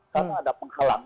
karena ada penghalang